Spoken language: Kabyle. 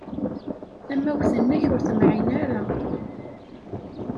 Tamawt-nnek ur temɛin ara.